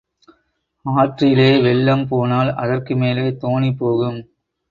ஆற்றிலே வெள்ளம் போனால் அதற்கு மேலே தோணி போகும்.